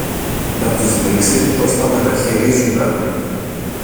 να τους δείξει πώς τα μεταχειρίζουνταν.